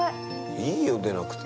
いいよ出なくて。